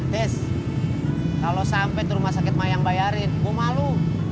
des kalau sampai rumah sakit mah yang bayarin gue malu